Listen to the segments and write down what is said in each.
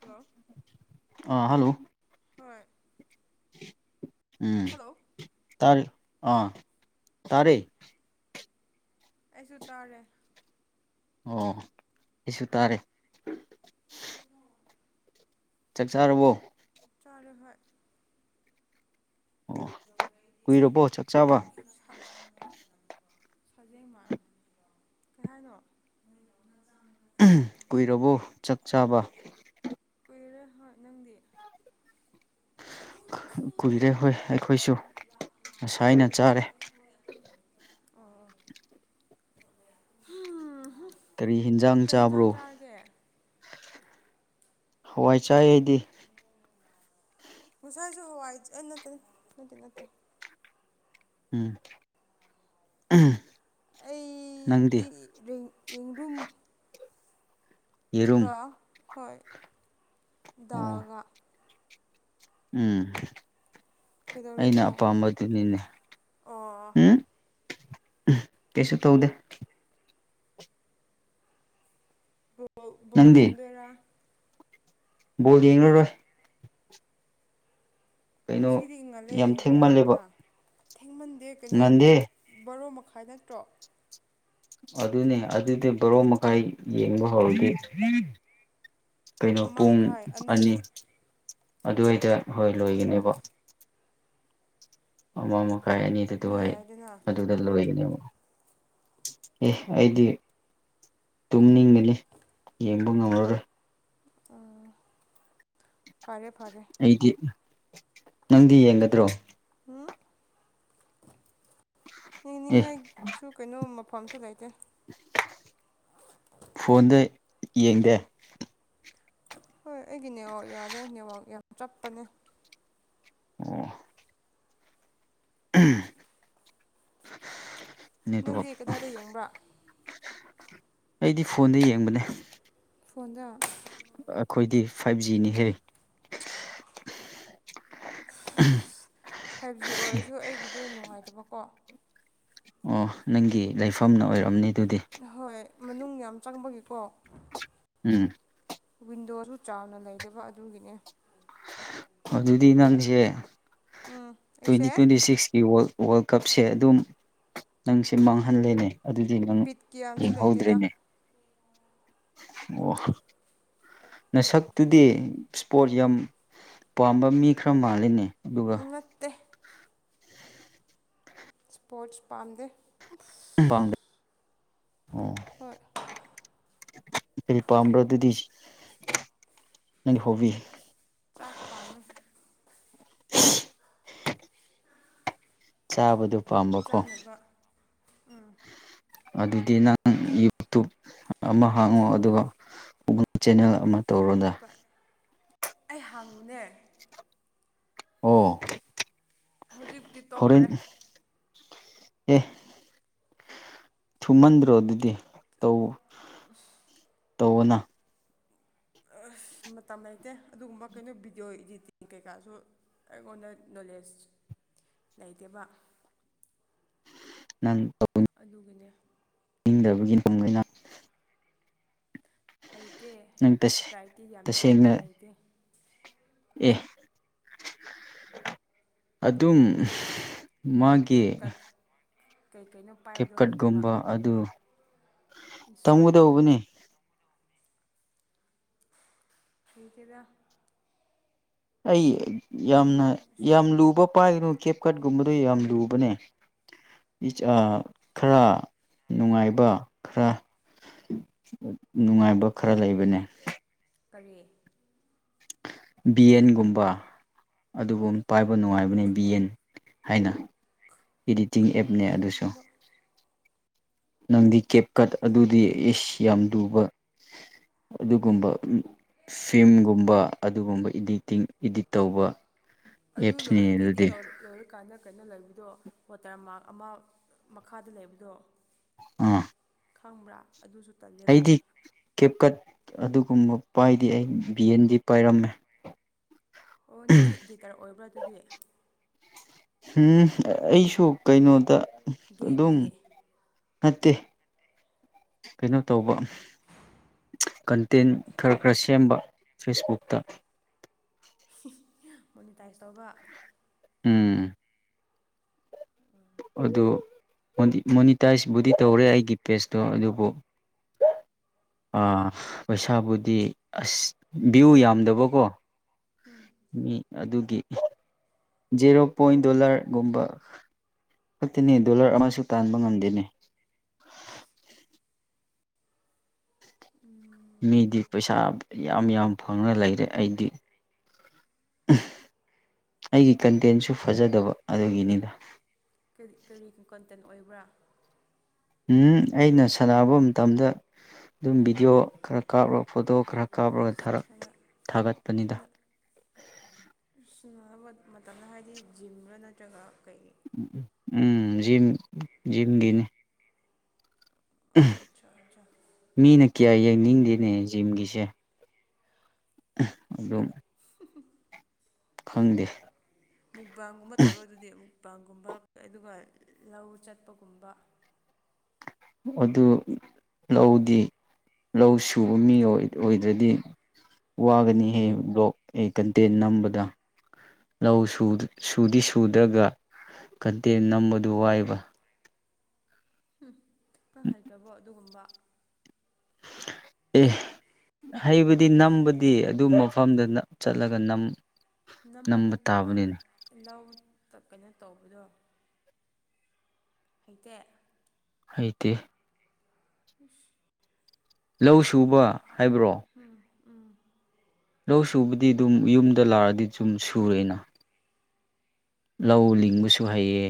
Hello ꯑꯥꯥ hello ꯍꯣꯏ hello ꯇꯔꯦ ꯑꯥ ꯇꯔꯦ ꯑꯩꯁꯨ ꯇꯥꯔꯦ ꯑꯣ ꯑꯩꯁꯨ ꯇꯥꯔꯦ ꯀꯩꯗꯧꯔꯤꯅꯣꯏ ꯆꯥꯛ ꯆꯥꯔꯕꯣ ꯆꯥꯔꯦ ꯍꯣꯏ ꯑꯣ ꯀꯨꯏꯔꯕꯣ ꯆꯥꯛ ꯆꯥꯕ ꯁꯥꯖꯦꯡꯃ ꯀꯩ ꯍꯥꯏꯅꯣ ꯀꯨꯏꯔꯕꯣ ꯆꯥꯛ ꯆꯥꯕ ꯀꯨꯏꯔꯦ ꯍꯣꯏ ꯅꯪꯗꯤ ꯀꯨꯏꯔꯦ ꯍꯣꯏ ꯑꯩꯈꯣꯏꯁꯨ ꯉꯁꯥꯏꯅ ꯆꯥꯔꯦ ꯎꯝ ꯍꯣꯏ ꯑꯗꯨꯝ ꯑꯣ ꯀꯔꯤ ꯀꯩ ꯍꯤꯟꯖꯥꯡ ꯆꯥꯕ꯭ꯔꯣ ꯆꯥꯔꯒꯦ ꯍꯋꯥꯏ ꯆꯥꯏ ꯑꯩꯗꯤ ꯉꯁꯥꯏꯁꯨ ꯍꯋꯥꯏ ꯅꯠꯇꯦ ꯅꯠꯇꯦ ꯅꯠꯇꯦ ꯎꯝ ꯅꯪꯗꯤ ꯑꯩꯗꯤ ꯔꯤꯡ ꯏꯪꯗꯨꯝ ꯌꯦꯔꯨꯝ ꯒ ꯍꯣꯏ ꯑꯣ ꯗꯥꯜꯒ ꯎꯝ ꯑꯩꯅ ꯀꯩꯗꯧꯔꯤꯅꯣ ꯑꯄꯥꯝꯕꯗꯨꯅꯤꯅꯦ ꯑꯣ ꯎꯝ ꯀꯩꯁꯨ ꯇꯧꯗꯦ ꯕꯧ ꯕꯣꯜ ꯅꯪꯗꯤ ꯌꯦꯡꯗꯣꯏꯔꯥ ꯕꯣꯜ ꯌꯦꯡꯂꯔꯣꯏ ꯀꯩꯅꯣ ꯉꯁꯤꯗꯤ ꯉꯜꯂꯦ ꯌꯥꯝ ꯌꯦꯡꯕ ꯊꯦꯡꯃꯜꯂꯦꯕ ꯌꯥꯏꯒꯦꯔ ꯊꯦꯡꯃꯟꯗꯦ ꯀꯩꯅꯣ ꯉꯟꯗꯦ ꯕꯔꯣ ꯃꯈꯥꯏ ꯅꯠꯇ꯭ꯔꯣ ꯑꯗꯨꯅꯦ ꯑꯗꯨꯗꯤ ꯕꯔꯣ ꯃꯈꯥꯏ ꯌꯦꯡꯕ ꯍꯧꯔꯗꯤ ꯀꯩꯅꯣ ꯑꯃ ꯄꯨꯡ ꯃꯈꯥꯏ ꯑꯅꯤ ꯑꯗꯨꯋꯥꯏꯗ ꯍꯣꯏ ꯂꯣꯏꯒꯅꯦꯕ ꯑꯃ ꯃꯈꯥꯏ ꯑꯅꯤꯗꯨꯗ ꯑꯗꯨ ꯍꯣꯏ ꯌꯥꯏꯗꯅ ꯑꯗꯨꯗ ꯂꯣꯏꯒꯅꯦꯕ ꯑꯦ ꯑꯩꯗꯤ ꯇꯨꯝꯅꯤꯡꯒꯅꯤ ꯌꯦꯡꯕ ꯉꯝꯃꯔꯣꯏ ꯑꯣ ꯐꯔꯦ ꯐꯔꯦ ꯑꯩꯗꯤ ꯅꯪꯗꯤ ꯌꯦꯡꯒꯗ꯭ꯔꯣ ꯍꯨꯡ ꯑꯦ ꯌꯦꯡꯅꯤꯡꯉꯥꯏ ꯁꯨ ꯀꯩꯅꯣ ꯃꯐꯝꯁꯨ ꯂꯩꯇꯦ ꯐꯣꯟꯗ ꯌꯦꯡꯗꯦ ꯍꯣꯏ ꯑꯩꯒꯤ ꯅꯦꯠꯋꯥꯛ ꯌꯥꯗꯦ ꯅꯦꯠꯋꯥꯛ ꯌꯥꯝ ꯆꯞꯄꯅꯦ ꯑꯣꯑꯣ ꯎꯝ ꯅꯪꯗꯤ ꯀꯗꯥꯏꯗ ꯌꯦꯡꯕ꯭ꯔꯥ ꯑꯩꯗꯤ ꯐꯣꯟꯗ ꯌꯦꯡꯕꯅꯦ ꯐꯣꯟꯗ ꯑꯈꯣꯏꯗꯤ ꯐꯥꯏꯚ ꯖꯤꯅꯤ ꯀꯩꯅꯣ ꯐꯥꯏꯚ ꯖꯤ ꯑꯣꯏꯔꯁꯨ ꯑꯩꯒꯤꯗꯨ ꯅꯨꯡꯉꯥꯏꯇꯕꯀꯣ ꯑꯣ ꯅꯪꯒꯤ ꯂꯩꯐꯝꯅ ꯑꯣꯏꯔꯝꯅꯤ ꯑꯗꯨꯗꯤ ꯑꯍꯣꯏ ꯃꯅꯨꯡ ꯌꯥꯝ ꯆꯪꯕꯒꯤꯀꯣ ꯎꯝ ꯋꯤꯟꯗꯣꯁꯨ ꯆꯥꯎꯅ ꯂꯩꯇꯕ ꯑꯗꯨꯒꯤꯅꯦ ꯑꯗꯨꯗꯤ ꯅꯪꯖꯦ ꯎꯝ ꯇ꯭ꯋꯦꯟꯇꯤ ꯑꯩꯁꯦ ꯇ꯭ꯋꯦꯟꯇꯤ ꯁꯤꯛꯁꯀꯤ ꯋꯥꯔꯜ ꯋꯥꯔꯜ ꯀꯞꯁꯦ ꯑꯗꯨꯝ ꯅꯪꯁꯦ ꯃꯥꯡꯍꯜꯂꯦꯅꯦ ꯑꯗꯨꯗꯤ ꯅꯪ ꯕꯤꯠ ꯀꯌꯥꯝꯁꯨ ꯂꯩꯇꯦꯗ ꯌꯦꯡꯍꯧꯗ꯭ꯔꯦꯅꯦ ꯑꯣ ꯅꯁꯛꯇꯨꯗꯤ ꯏꯁꯄꯣꯔꯠ ꯌꯥꯝ ꯄꯥꯝꯕ ꯃꯤ ꯈꯔ ꯃꯥꯜꯂꯦꯅꯦ ꯑꯗꯨꯒ ꯅꯠꯇꯦ ꯏꯁꯄꯣꯔꯠꯁ ꯄꯥꯝꯗꯦ UNINTELLIGIBLE ꯍꯣꯏ ꯀꯔꯤ ꯄꯥꯝꯕ꯭ꯔꯥ ꯑꯗꯨꯗꯤ ꯅꯪꯒꯤ ꯍꯣꯕꯤ ꯆꯥꯛ ꯄꯥꯝꯃꯦ ꯆꯥꯕꯗꯨ ꯆꯥꯅꯕ ꯎꯪ ꯑꯗꯨꯗꯤ ꯅꯪ ꯌꯨꯇꯨꯞ ꯑꯃ ꯍꯥꯡꯉꯣ ꯑꯗꯨꯒ ꯒꯨꯒꯜ ꯆꯦꯟꯅꯦꯜ ꯑꯃ ꯇꯧꯔꯣꯗ ꯎꯠ-ꯄꯥꯠ ꯑꯩ ꯍꯥꯡꯕꯅꯦ ꯑꯣꯑꯣ ꯍꯧꯖꯤꯛꯇꯤ ꯍꯣꯔꯦꯟ ꯇꯣꯛꯈ꯭ꯔꯦ ꯑꯦ ꯊꯨꯝꯃꯟꯗ꯭ꯔꯣ ꯑꯗꯨꯗꯤ ꯇꯧ ꯇꯧꯋꯣꯅ ꯑꯥꯁ ꯊꯨꯝ ꯃꯇꯝ ꯂꯩꯇꯦ ꯑꯗꯨꯒꯨꯝꯕ ꯀꯩꯅꯣ ꯚꯤꯗꯤꯑꯣ ꯏꯗꯤꯇꯤꯡ ꯀꯩꯀꯥꯖꯨ ꯑꯩꯉꯣꯟꯗ ꯅꯣꯂꯦꯖ ꯂꯩꯇꯦꯕ UNINTELLIGIBLE ꯑꯗꯨꯒꯅꯦ ꯅꯤꯡꯗꯕꯒꯤ ꯅꯪ ꯍꯩꯇꯦ ꯅꯪ ꯇꯁꯦ ꯇ꯭ꯔꯥꯏꯇꯤ ꯌꯥꯝ ꯇꯧꯕꯅꯦ ꯇꯁꯦꯡꯅ ꯍꯩꯇꯦ꯫ ꯑꯦ ꯑꯗꯨꯝ ꯃꯥꯒꯤ ꯀꯦꯞꯀ ꯀꯩꯀꯩꯅꯣ ꯀꯦꯞꯀꯠꯒꯨꯝꯕ ꯑꯗꯨ ꯏꯟ ꯁꯣꯔꯠ ꯇꯝꯒꯗꯧꯕꯅꯦ ꯍꯩꯇꯦꯗ ꯑꯩ ꯌꯥꯝꯅ ꯌꯥꯝ ꯂꯨꯕ ꯄꯥꯏꯒꯅꯨ ꯀꯦꯞꯀꯠꯒꯨꯝꯕꯗꯣ ꯌꯥꯝ ꯂꯨꯕꯅꯦ꯫ ꯏ ꯑ ꯈꯔ ꯅꯨꯡꯉꯥꯏꯕ ꯈꯔ ꯅꯨꯡꯉꯥꯏꯕ ꯈꯔ ꯂꯩꯕꯅꯦ ꯀꯔꯤ ꯕꯤꯌꯦꯟꯒꯨꯝꯕ ꯑꯗꯨꯒꯨꯝ ꯄꯥꯏꯕ ꯅꯨꯡꯉꯥꯏꯕꯅꯦ ꯕꯤꯌꯦꯟ ꯍꯥꯏꯅ ꯏꯗꯤꯇꯤꯡ ꯑꯦꯞꯅꯦ ꯈꯪꯗꯦ ꯑꯗꯨꯁꯨ ꯑꯗꯨꯒꯨꯝꯕ ꯅꯪꯗꯤ ꯀꯦꯞ ꯀꯠ ꯑꯗꯨꯗꯤ ꯏꯁ ꯌꯥꯝ ꯂꯨꯕ ꯑꯗꯨꯒꯨꯝꯕ ꯎ ꯐꯤꯝꯒꯨꯝꯕ ꯑꯗꯨꯒꯨꯝꯕ ꯏꯗꯤꯇꯤꯡ ꯏꯗꯤꯠ ꯇꯧꯕ ꯑꯗꯨ ꯑꯦꯞꯁꯅꯤ ꯂꯣꯏꯔ ꯏꯗꯤꯇꯤꯡ ꯑꯗꯨꯗꯤ ꯂꯣꯏꯔ ꯂꯣꯏꯔꯀꯥꯟꯗ ꯀꯩꯅꯣ ꯂꯩꯕꯗꯣ ꯋꯥꯇꯔ ꯃꯥꯔꯛ ꯑꯃ ꯃꯈꯥꯗ ꯂꯩꯕꯗꯣ꯫ ꯎꯝ ꯈꯪꯕ꯭ꯔꯥ ꯑꯗꯨꯁꯨ ꯇꯜꯂꯦꯕ ꯀꯦꯞꯀꯠ ꯑꯗꯨꯒꯨꯝꯕ ꯄꯥꯏꯗꯦ ꯑꯩ ꯕꯤ ꯑꯦꯟꯗꯤ ꯄꯥꯏꯔꯝꯃꯦ꯫ ꯑꯣ ꯅꯪꯁꯨ ꯏꯗꯤꯇꯔ ꯑꯣꯏꯕ꯭ꯔꯥ ꯑꯗꯨꯗꯤ? ꯍꯨꯝ ꯑꯩꯁꯨ ꯀꯩꯅꯣꯗ ꯑꯗꯨꯝ ꯒꯦꯝꯒꯤ ꯅꯠꯇꯦ ꯀꯩꯅꯣ ꯇꯧꯕ ꯀꯟꯇꯦꯟ ꯈꯔ ꯈꯔ ꯁꯦꯝꯕ ꯐꯦꯁꯕꯨꯛꯇ꯫ ꯃꯣꯅꯤꯇꯥꯏꯁ ꯇꯧꯕ ꯎꯝ ꯑꯗꯨ ꯃꯣꯅꯤ ꯃꯣꯅꯤꯇꯥꯏꯖꯕꯨꯗꯤ ꯇꯧꯔꯦ ꯑꯩꯒꯤ ꯄꯦꯖꯇꯣ ꯑꯗꯨꯕꯨ ꯑ ꯄꯩꯁꯥꯕꯨꯗꯤ ꯑꯁ ꯚ꯭ꯌꯨ ꯌꯥꯝꯗꯕꯀꯣ ꯃꯤ ꯑꯗꯨꯒꯤ ꯖꯦꯔꯣ ꯄꯣꯏꯟ ꯗꯣꯂꯔꯒꯨꯝꯕ ꯅꯠꯇꯦꯅꯦ ꯗꯣꯂꯔ ꯑꯃꯁꯨ ꯇꯥꯟꯕ ꯉꯝꯗꯦꯅꯦ꯫ ꯎꯝ ꯃꯤꯗꯤ ꯄꯩꯁꯥ ꯌꯥꯝ ꯌꯥꯝ ꯐꯪꯔ ꯂꯩꯔꯦ ꯑꯩꯗꯤ ꯑꯩꯒꯤ ꯀꯟꯇꯦꯟꯁꯨ ꯐꯖꯗꯕ ꯑꯗꯨꯒꯤꯅꯤꯗ ꯀꯔꯤ ꯀꯔꯤ ꯀꯣꯟꯇꯦꯟ ꯑꯣꯏꯕ꯭ꯔꯥ ꯎ ꯑꯩꯅ ꯁꯥꯟꯅꯕ ꯃꯇꯝꯗ ꯑꯗꯨꯝ ꯚꯤꯗꯤꯑꯣ ꯈꯔ ꯀꯥꯞꯂꯒ ꯐꯣꯇꯣ ꯈꯔ ꯀꯥꯞꯔꯒ ꯊꯥꯔꯛ ꯊꯥꯒꯠꯄꯅꯤꯗ꯫ [unintelligible] ꯃꯇꯝꯗ ꯍꯥꯏꯗꯤ ꯖꯤꯝꯔꯥ ꯅꯠꯇ꯭ꯔꯒ ꯀꯩꯒꯤ ꯎ ꯎꯝ ꯖꯤꯝ ꯖꯤꯝꯒꯤꯅꯤ ꯑꯠꯁꯥꯁꯥ ꯑꯠꯁꯥ ꯃꯤꯅ ꯀꯌꯥ ꯌꯦꯡꯅꯤꯡꯗꯦꯅꯦ ꯖꯤꯝꯒꯤꯁꯦ꯫ ꯑꯗꯣ ꯈꯪꯗꯦ ꯃꯨꯛꯕꯥꯡꯒꯨꯝꯕ ꯇꯧꯔꯣ ꯑꯗꯨꯗꯤ ꯃꯨꯛꯕꯥꯡꯒꯨꯝꯕ ꯑꯗꯨꯒ ꯂꯧ ꯆꯠꯄꯒꯨꯝꯕ ꯑꯗꯨ ꯂꯧꯗꯤ ꯂꯧ ꯁꯨꯕ ꯃꯤ ꯑꯣꯏ ꯑꯣꯏꯗ꯭ꯔꯗꯤ꯫ ꯋꯥꯒꯅꯤꯍꯦ ꯕ꯭ꯂꯣꯛ ꯑꯦ ꯀꯟꯇꯦꯟ ꯅꯝꯕꯗ꯫ ꯂꯧ ꯁꯨꯗꯤ ꯁꯨꯗ꯭ꯔꯒ ꯀꯟꯇꯦꯟ ꯅꯝꯕꯗꯨ ꯋꯥꯏꯕ꯫ ꯅꯪ ꯍꯩꯇ꯭ꯔꯕꯣ ꯑꯗꯨꯒꯨꯝꯕ꯫ ꯑꯦ ꯍꯩꯕꯗꯤ ꯅꯝꯕꯗꯤ ꯑꯗꯨ ꯃꯐꯝꯗ ꯆꯠꯂꯒꯝ ꯅꯝ ꯅꯝꯕ ꯅꯠꯇꯕ ꯂꯧꯇ ꯀꯩꯅꯣ ꯇꯧꯕꯗꯣ ꯍꯩꯇꯦ꯫ ꯍꯩꯇꯦ꯫ ꯎꯁ꯫ ꯂꯧ ꯁꯨꯕ ꯍꯥꯏꯕ꯭ꯔꯣ? ꯎꯝ ꯎꯝ꯫ ꯂꯧ ꯁꯨꯕꯗꯤ ꯑꯗꯨꯝ ꯌꯨꯝꯗ ꯂꯥꯛꯑꯗꯤ ꯁꯨꯝ ꯁꯨꯔꯦꯅ꯫ ꯂꯧ ꯂꯤꯡꯕꯁꯨ ꯍꯩꯌꯦ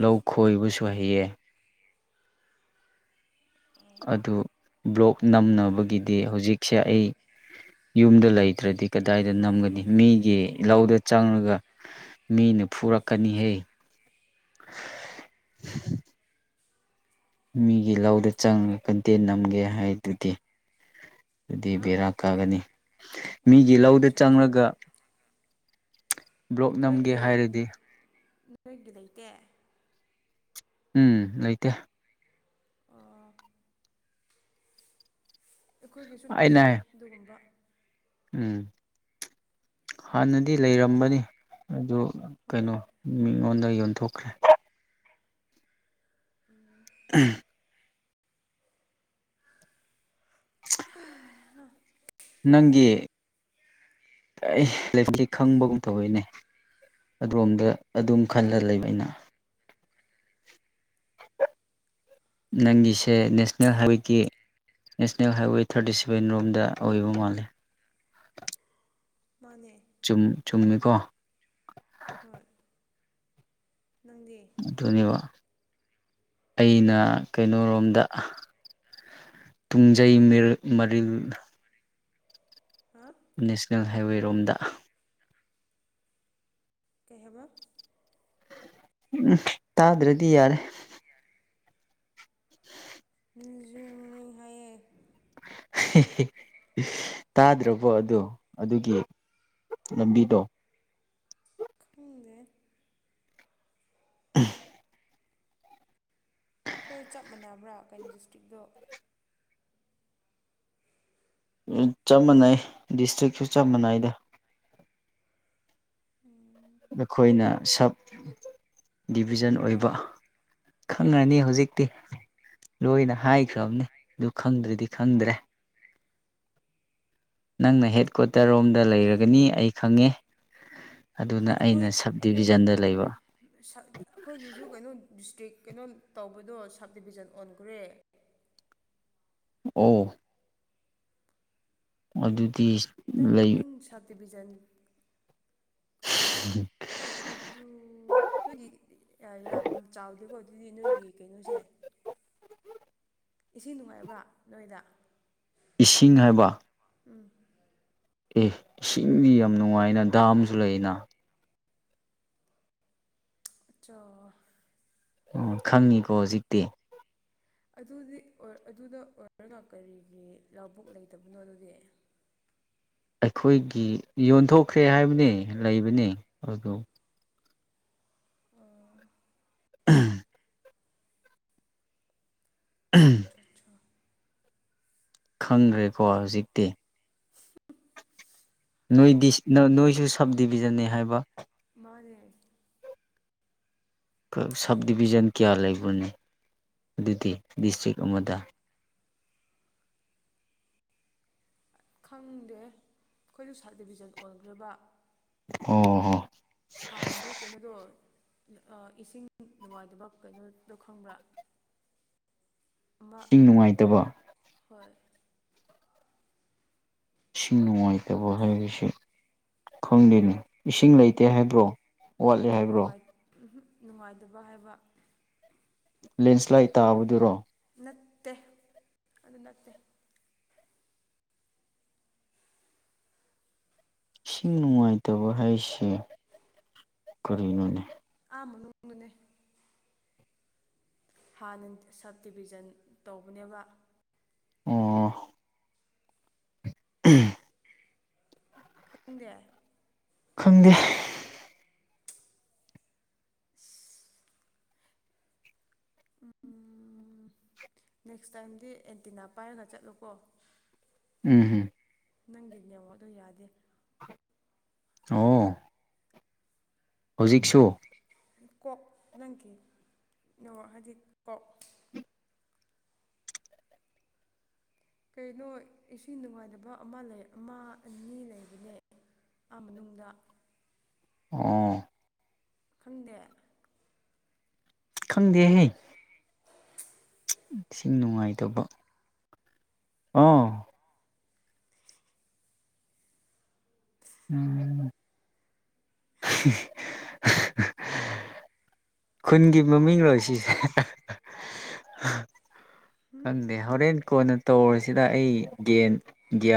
ꯂꯧ ꯈꯣꯏꯕꯁꯨ ꯍꯩꯌꯦ꯫ ꯑꯗꯨ ꯕ꯭ꯂꯣꯛ ꯅꯝꯅꯕꯒꯤꯗꯤ ꯍꯧꯖꯤꯛꯁꯦ ꯑꯩ ꯌꯨꯝꯗ ꯂꯩꯇ꯭ꯔꯗꯤ ꯀꯗꯥꯏꯗ ꯅꯝꯒꯅꯤ ꯃꯤꯒꯤ ꯂꯧꯗ ꯆꯪꯉꯒ ꯃꯤꯅ ꯐꯨꯔꯛꯀꯅꯤꯍꯦ꯫ ꯃꯤꯒꯤ ꯂꯧꯗ ꯆꯪꯉꯒ ꯀꯟꯇꯦꯟ ꯅꯝꯒꯦ ꯍꯥꯏꯗꯨꯗꯤ꯫ ꯑꯗꯨꯗꯤ ꯍꯥ ꯕꯦꯔꯥ ꯀꯥꯒꯅꯤ ꯃꯤꯒꯤ ꯂꯧꯗ ꯑꯠꯆꯥ ꯑꯠꯆꯥ ꯆꯪꯂꯒ꯫ ꯕ꯭ꯂꯣꯛ ꯅꯝꯒꯦ ꯅꯣꯏꯒꯤ ꯍꯥꯏꯔꯗꯤ ꯅꯣꯏꯒꯤ ꯂꯩꯇꯦ꯫ ꯎꯝ ꯂꯩꯇꯦ꯫ ꯑꯣ ꯑꯩꯈꯣꯏꯒꯤꯁꯨ ꯑꯩꯅ ꯂꯩꯇꯦ ꯍꯥꯏ ꯑꯗꯨꯒꯨꯝꯕ꯫ ꯎꯝ ꯍꯥꯟꯅꯗꯤ ꯂꯩꯔꯝꯕꯅꯤ ꯑꯗꯨ ꯍꯣꯏ ꯀꯩꯅꯣ ꯃꯤꯉꯣꯟꯗ ꯌꯣꯟꯊꯣꯛꯈ꯭ꯔꯦ꯫ ꯎꯝ꯫ ꯎꯝꯍ꯫ [inaudible] ꯅꯪꯒꯤ ꯂꯥꯏꯐꯇꯤ ꯈꯪꯕꯒꯨꯝ ꯇꯧꯏꯅꯦ, ꯑꯗꯣꯝꯗ ꯑꯗꯨꯝ ꯈꯜꯂ ꯂꯩꯕ ꯑꯩꯅ꯫ ꯅꯪꯒꯤꯁꯦ ꯅꯦꯁꯅꯦꯜ ꯍꯥꯏꯋꯦꯒꯤ ꯅꯦꯁꯅꯦꯜ ꯍꯥꯏꯋꯦ ꯊꯥꯔꯇꯤ ꯁꯕꯦꯟ ꯔꯣꯝꯗ ꯑꯣꯏꯕ ꯃꯥꯂꯦ꯫ ꯃꯥꯅꯦ꯫ ꯆꯨꯝ ꯆꯨꯝꯃꯤꯀꯣ꯫ ꯍꯣꯏ ꯅꯪꯗꯤ? ꯑꯗꯨꯅꯦꯕ ꯑꯩꯅ ꯀꯩꯅꯣꯔꯣꯝꯗ ꯇꯨꯡꯖꯩ ꯃꯔꯤꯜ ꯍꯥ ꯅꯦꯁꯅꯦꯜ ꯍꯥꯏꯋꯦꯔꯣꯝꯗ꯫ ꯀꯩ ꯍꯥꯏꯕ? ꯎꯝ ꯇꯥꯗ꯭ꯔꯗꯤ ꯌꯥꯔꯦ꯫ ꯂꯤꯡꯖꯦꯜ ꯃꯥꯟꯅꯧ ꯍꯥꯏꯌꯦ꯫ ꯍꯦꯍꯦ ꯇꯥꯗ꯭ꯔꯕꯣ ꯑꯗꯣ ꯑꯗꯨꯒꯤ ꯂꯝꯕꯤꯗꯣ꯫ ꯈꯪꯗꯦ꯫ ꯎꯝ꯫ ꯑꯈꯣꯏ ꯆꯞ ꯃꯥꯟꯅꯕ꯭ꯔꯥ ꯀꯩꯅꯣ ꯗꯤꯁꯇ꯭ꯔꯤꯛꯇꯣ꯫ ꯎꯝ ꯆꯞ ꯃꯥꯟꯅꯩ ꯗꯤꯁꯇ꯭ꯔꯤꯛꯁꯨ ꯆꯞ ꯃꯥꯟꯅꯩꯗ ꯑꯩꯈꯣꯏꯅ ꯁꯞ ꯗꯤꯕꯤꯖꯟ ꯑꯣꯏꯕ ꯈꯪꯉꯅꯤ ꯍꯧꯖꯤꯛꯇꯤ ꯂꯣꯏꯅ ꯍꯥꯏꯈ꯭ꯔꯕꯅꯤ ꯑꯗꯨ ꯈꯪꯗ꯭ꯔꯗꯤ ꯈꯪꯗ꯭ꯔꯦ ꯅꯪꯅ ꯍꯦꯠ ꯀ꯭ꯋꯥꯇꯔꯔꯣꯝꯗ ꯂꯩꯔꯒꯅꯤ ꯑꯩ ꯈꯪꯉꯦ ꯑꯗꯨꯅ ꯑꯩꯈꯣꯏ ꯑꯩꯅ ꯁꯕ ꯑꯩꯈꯣꯏ ꯗꯤꯕꯤꯖꯟꯗ ꯑꯩꯈꯣꯏ ꯂꯩꯕ ꯑꯩꯈꯣꯏꯒꯤꯁꯨ ꯀꯩꯅꯣ ꯗꯤꯁꯇ꯭ꯔꯤꯛ ꯀꯩꯅꯣ ꯇꯧꯕꯗꯣ ꯁꯕ ꯗꯤꯕꯤꯖꯟ ꯑꯣꯟꯈ꯭ꯔꯦ ꯑꯣ ꯑꯗꯨꯗꯤ ꯅꯪ ꯂꯩ ꯅꯪ ꯁꯕ ꯗꯤꯕꯤꯖꯟ [inaudible] ꯑꯗꯨ ꯅꯣꯏꯒꯤ ꯑꯥ ꯌꯥꯝ ꯆꯥꯎꯗꯦꯀꯣ ꯑꯗꯨꯗꯤ ꯅꯣꯏꯒꯤ ꯀꯩꯅꯣꯁꯦ [inaudible] ꯏꯁꯤꯡ ꯅꯨꯡꯉꯥꯏꯕ꯭ꯔꯥ ꯅꯣꯏꯗ ꯏꯁꯤꯡ ꯍꯥꯏꯕ ꯎꯝ ꯑꯦ ꯏꯁꯤꯡꯗꯤ ꯌꯥꯝ ꯅꯨꯡꯉꯥꯏꯅ ꯗꯥꯝꯁꯨ ꯂꯩꯅ ꯑꯠꯆꯥ ꯑꯣ ꯈꯪꯉꯤꯀꯣ ꯍꯧꯖꯤꯛꯇꯤ ꯑꯗꯨꯗꯤ ꯑꯣ ꯑꯗꯨꯗ ꯑꯣꯏꯔꯒ ꯀꯔꯤꯒꯤ ꯂꯧꯕꯨꯛ ꯂꯩꯇꯕꯅꯣ ꯑꯗꯨꯗꯤ ꯑꯩꯈꯣꯏꯒꯤ ꯌꯣꯟꯊꯣꯛꯈ꯭ꯔꯦ ꯍꯥꯏꯕꯅꯦ ꯂꯩꯕꯅꯦ ꯑꯗꯨ ꯑꯥ [inaudible] [unintelligible] ꯈꯪꯈ꯭ꯔꯦꯀꯣ ꯍꯧꯖꯤꯛꯇꯤ ꯍꯣꯏ ꯅꯣꯏꯗꯤ ꯅꯣꯏ ꯅꯣꯏꯁꯨ ꯁꯕ ꯗꯤꯕꯤꯖꯟꯅꯦ ꯍꯥꯏꯕ ꯃꯥꯅꯦ ꯀ ꯁꯕ ꯗꯤꯕꯤꯖꯟ ꯀꯌꯥ ꯂꯩꯕ꯭ꯔꯅꯦ ꯑꯗꯨꯗꯤ ꯗꯤꯁꯇ꯭ꯔꯤꯛ ꯑꯃꯗ ꯈꯪꯗꯦ ꯑꯩꯈꯣꯏꯁꯨ ꯁꯕ ꯗꯤꯕꯤꯖꯟ ꯑꯣꯏꯈ꯭ꯔꯕ ꯑꯣꯍꯣ ꯍꯥꯟꯅꯗꯤ ꯀꯩꯅꯣꯗꯣ ꯑꯥ ꯏꯁꯤꯡ ꯅꯨꯡꯉꯥꯏꯇꯕ ꯀꯩꯅꯣꯗꯣ ꯈꯪꯕ꯭ꯔꯥ [inaudible] ꯑꯃ ꯅꯨꯡꯉꯥꯏꯇꯕ ꯍꯣꯏ ꯏꯁꯤꯡ ꯅꯨꯡꯉꯥꯏꯇꯕ ꯍꯥꯏꯕꯁꯦ ꯈꯪꯗꯦꯅꯦ ꯏꯁꯤꯡ ꯂꯩꯇꯦ ꯍꯥꯏꯕ꯭ꯔꯣ ꯋꯥꯠꯂꯦ ꯅꯠꯇꯦ ꯍꯥꯏꯕ꯭ꯔꯣ ꯅꯨꯡꯉꯥꯏ ꯎꯝꯍꯨ ꯅꯨꯡꯉꯥꯏꯇꯕ ꯍꯥꯏꯕ ꯂꯦꯟꯁ꯭ꯂꯥꯏꯠ ꯇꯥꯕꯗꯨꯔꯣ ꯅꯠꯇꯦ ꯑꯗꯨ ꯅꯠꯇꯦ ꯏꯁꯤꯡ ꯅꯨꯡꯉꯥꯏꯇꯕ ꯍꯥꯏꯁꯦ ꯀꯔꯤꯅꯣꯅꯦ [unintelligible] ꯍꯥꯟꯅ ꯁꯕ ꯗꯤꯕꯤꯖꯟ ꯇꯧꯕꯅꯦꯕ ꯑꯣ [inaudible] ꯈꯪꯗꯦ ꯈꯪꯗꯦ ꯎꯝ ꯅꯦꯛꯁ ꯇꯥꯏꯝꯗꯤ ꯑꯦꯟꯇꯤꯅꯥ ꯄꯥꯏꯔꯥꯒꯥ ꯆꯠꯂꯨꯀꯣ ꯎꯝ ꯍꯨꯝ ꯅꯪꯒꯤ ꯅꯦꯠꯋꯥꯛꯇꯣ ꯌꯥꯗꯦ ꯑꯣ ꯍꯨꯖꯤꯛꯁꯨ ꯀꯣꯛ ꯅꯪꯒꯤ ꯅꯣ ꯍꯥꯏꯗꯤ ꯀꯣꯛ ꯀꯩ ꯂꯣꯏ ꯏꯁꯤꯡ ꯅꯨꯡꯉꯥꯏꯇꯥꯕ ꯑꯃ ꯂꯩ ꯑꯃ ꯑꯅꯤ ꯂꯩꯕꯥꯅꯦ ꯑꯃꯥꯅꯨꯡꯗꯥ ꯑꯣ ꯈꯪꯗꯦ ꯈꯪꯗꯦꯍꯦ ꯏꯁꯤꯡ ꯅꯨꯡꯉꯥꯏꯇꯥꯕ ꯑꯥꯎ ꯎꯝ ꯈꯨꯟꯒꯤ ꯃꯃꯤꯡ ꯂꯣ ꯁꯤꯁꯦ ꯈꯪꯗꯦ ꯍꯣꯔꯦꯟ ꯀꯣꯟꯅ ꯇꯧꯔꯤꯁꯤꯗ ꯑꯩ ꯒꯦꯟ ꯒ꯭ꯌꯥꯟ